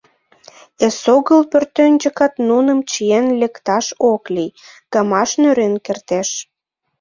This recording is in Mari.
Эсогыл пӧртӧнчыкат нуным чиен лекташ ок лий — гамаш нӧрен кертеш!